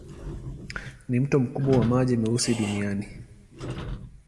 Ni mto mkubwa wa maji meusi duniani.